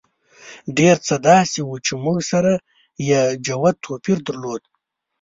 ډېر څه داسې وو چې موږ سره یې جوت توپیر درلود.